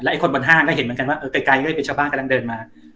ไอ้คนบนห้างก็เห็นเหมือนกันว่าเออไกลก็เลยมีชาวบ้านกำลังเดินมา